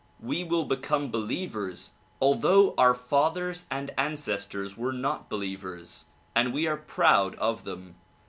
we will become believers although our fathers and ancestors were not believers and we are proud of them.